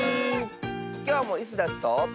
きょうもイスダスと。